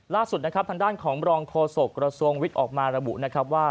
ล่าสุดนะครับทางด้านของรองโฆษกระทรวงวิทย์ออกมาระบุนะครับว่า